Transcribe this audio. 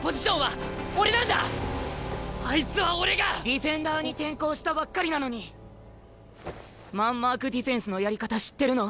ディフェンダーに転向したばっかりなのにマンマークディフェンスのやり方知ってるの？